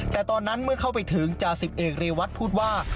แต่ตอนนั้นเมื่อเข้าไปถึงจาสิบเอกเรวัตพูดว่า